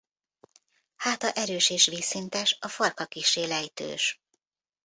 Háta erős és vízszintes a farka kissé lejtős.